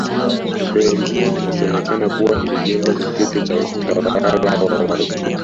Reli hii inasemekana kuwa ilijengwa kipindi cha utawala wa wazungu